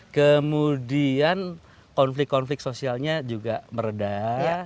kemudian konflik konflik sosialnya juga meredah